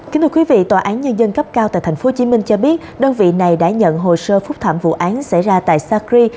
kính thưa quý vị tòa án nhân dân cấp cao tại tp hcm cho biết đơn vị này đã nhận hồ sơ phúc thảm vụ án xảy ra tại sacri